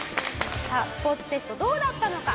さあスポーツテストどうだったのか？